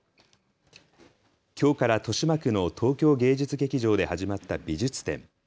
きょうから豊島区の東京芸術劇場で始まった美術展。